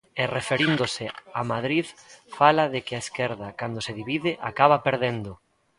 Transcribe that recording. E referíndose a Madrid fala de que a esquerda cando se divide acaba perdendo.